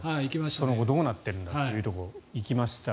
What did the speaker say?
その後、どうなっているんだというところ行きました。